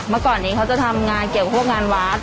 เมื่อก่อนนี้เขาจะทำงานเกี่ยวกับพวกงานวัด